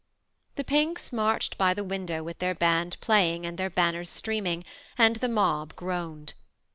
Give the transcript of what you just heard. The Finks marched by the window with their band playing and their banners streaming, and the mob groaned.